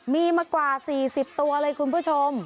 มีมากว่า๔๐ตัวเลยคุณผู้ชม